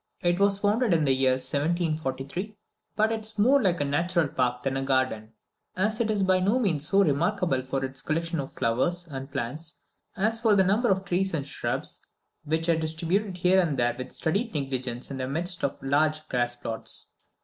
It was founded in the year 1743, but is more like a natural park than a garden, as it is by no means so remarkable for its collection of flowers and plants as for the number of trees and shrubs, which are distributed here and there with studied negligence in the midst of large grass plots.